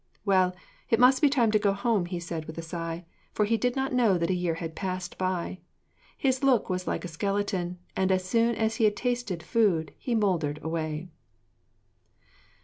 'Well, it must be time to go home,' he said, with a sigh; for he did not know that a year had passed by. His look was like a skeleton, and as soon as he had tasted food, he mouldered away.